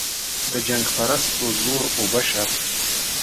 د جنګ پرستو زور اوبه شه.